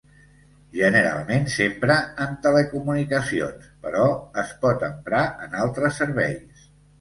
Generalment s'empra en telecomunicacions, però es pot emprar en altres serveis.